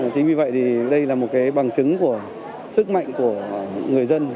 chính vì vậy đây là một bằng chứng của sức mạnh của người dân